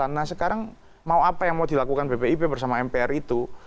karena sekarang mau apa yang mau dilakukan bpip bersama mpr itu